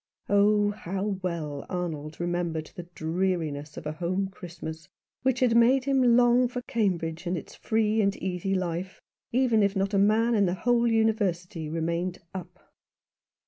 Oh, how well Arnold remembered the dreariness of a home Christmas, which had made him long for Cambridge and its free and easy life, even if not a man in the whole University remained " up."